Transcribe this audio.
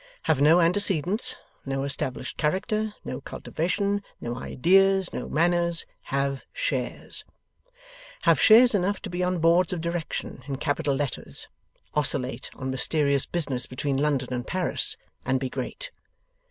Have no antecedents, no established character, no cultivation, no ideas, no manners; have Shares. Have Shares enough to be on Boards of Direction in capital letters, oscillate on mysterious business between London and Paris, and be great.